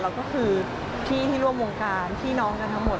ก็คือพี่ที่ร่วมวงการพี่น้องกันทั้งหมด